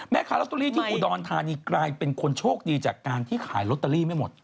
แม่ค้าลอตเตอรี่ที่อุดรธานีกลายเป็นคนโชคดีจากการที่ขายลอตเตอรี่ไม่หมด